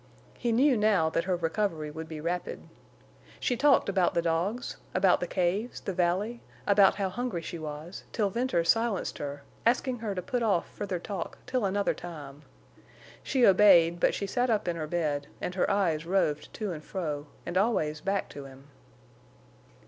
He knew now that her recovery would be rapid. She talked about the dogs, about the caves, the valley, about how hungry she was, till Venters silenced her, asking her to put off further talk till another time. She obeyed, but she sat up in her bed, and her eyes roved to and fro, and always back to him.